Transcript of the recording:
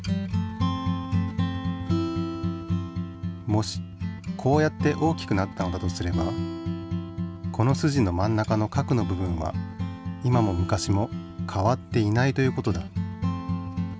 もしこうやって大きくなったのだとすればこのすじの真ん中の核の部分は今も昔も変わっていないという事だ。